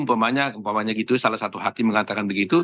umpamanya gitu salah satu hati mengatakan begitu